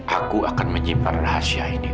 aku akan menyimpan rahasia ini